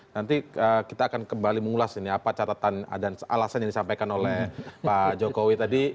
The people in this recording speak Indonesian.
nanti kita akan kembali mengulas ini apa catatan dan alasan yang disampaikan oleh pak jokowi tadi